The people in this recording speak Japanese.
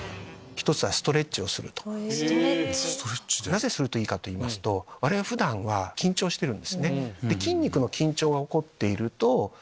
なぜするといいかといいますと我々普段は緊張してるんですね。